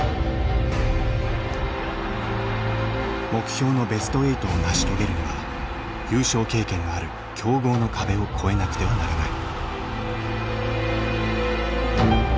目標のベスト８を成し遂げるには優勝経験のある強豪の壁をこえなくてはならない。